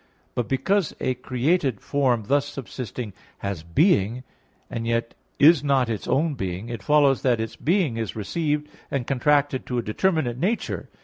But because a created form thus subsisting has being, and yet is not its own being, it follows that its being is received and contracted to a determinate nature.